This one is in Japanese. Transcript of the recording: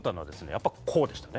やっぱこうでしたね。